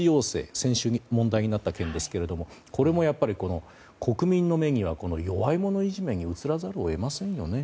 先週、問題になった件ですがこれもやっぱり国民の目には弱い者いじめに映らざるを得ませんよね。